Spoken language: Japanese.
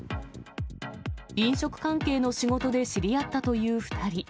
飲食関係の仕事で知り合ったという２人。